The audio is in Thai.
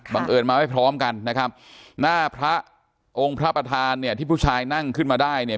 เอิญมาไม่พร้อมกันนะครับหน้าพระองค์พระประธานเนี่ยที่ผู้ชายนั่งขึ้นมาได้เนี่ย